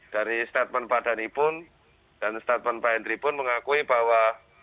dari statement pak dhani pun dan statement pak henry pun mengakui bahwa